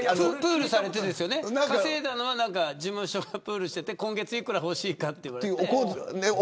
稼いだのは事務所がプールしていて今月、幾ら欲しいかと聞かれて。